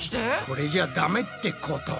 これじゃダメってこと？